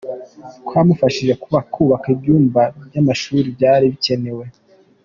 Twamufashije kubaka ibyumba by’amashuri byari bikenewe.